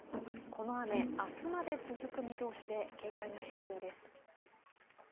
この雨、明日まで続く見通しで、警戒が必要です。